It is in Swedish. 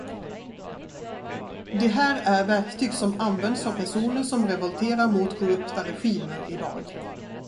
Det här är verktyg som används av personer som revolterar mot korrupta regimer idag.